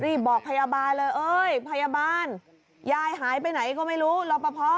รีบบอกพยาบาลเลยเอ้ยพยาบาลยายหายไปไหนก็ไม่รู้รอปภ